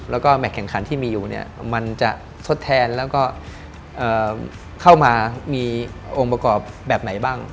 และแมทแข่งขันที่มีอยู่มันจะทดแทนเข้ามามีองค์ประกอบแบบไหนบ้าง